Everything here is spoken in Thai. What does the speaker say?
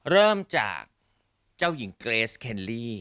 เริ่มจากเจ้าหญิงเกรสเคลลี่